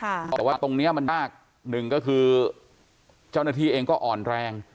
แต่ว่าตรงนี้มันมากหนึ่งก็คือเจ้าหน้าที่เองก็อ่อนแรง